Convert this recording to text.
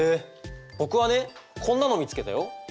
僕はねこんなの見つけたよ。